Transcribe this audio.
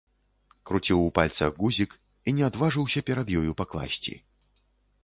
Круціў у пальцах гузік і не адважыўся перад ёю пакласці.